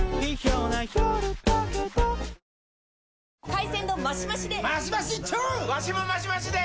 ．．．海鮮丼マシマシで！